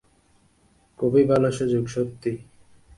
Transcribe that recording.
খুব ভালো সুযোগ, সত্যিই।